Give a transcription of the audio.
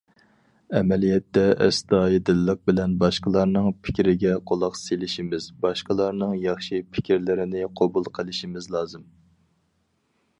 ئەمەلىيەتتە، ئەستايىدىللىق بىلەن باشقىلارنىڭ پىكرىگە قۇلاق سېلىشىمىز، باشقىلارنىڭ ياخشى پىكىرلىرىنى قوبۇل قىلىشىمىز لازىم.